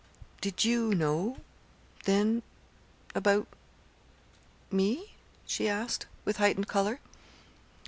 "Did you know then about me?" she asked, with heightened color.